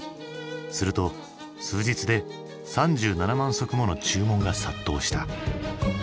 すると数日で３７万足もの注文が殺到した。